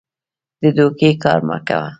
د دوکې کار مه کوه.